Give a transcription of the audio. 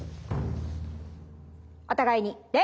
お互いに礼！